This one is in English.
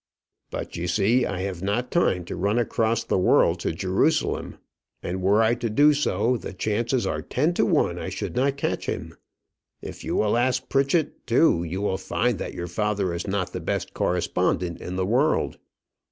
"But you see I have not time to run across the world to Jerusalem; and were I to do so, the chances are ten to one I should not catch him. If you will ask Pritchett too, you will find that your father is not the best correspondent in the world.